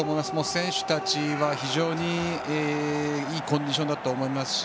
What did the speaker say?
選手たちは非常にいいコンディションだと思いますし